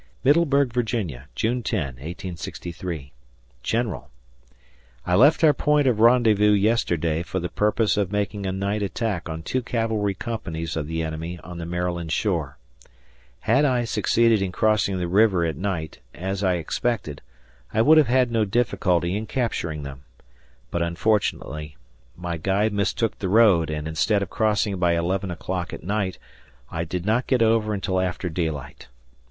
Middleburg, Va., June 10, 1863. General: I left our point of rendezvous yesterday for the purpose of making a night attack on two cavalry companies of the enemy on the Maryland shore. Had I succeeded in crossing the river at night, as I expected, I would have had no difficulty in capturing them; but unfortunately my guide mistook the road and, instead of crossing by 11 o'clock at night, I did not get over until after daylight.